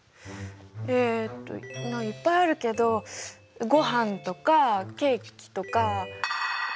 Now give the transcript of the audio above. えっといっぱいあるけどごはんとかケーキとか。